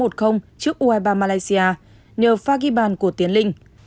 trước u hai mươi ba malaysia nhờ pha ghi bàn của tiến linh